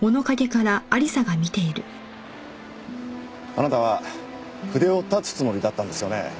あなたは筆を断つつもりだったんですよね？